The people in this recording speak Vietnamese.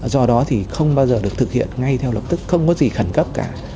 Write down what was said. do đó thì không bao giờ được thực hiện ngay theo lập tức không có gì khẩn cấp cả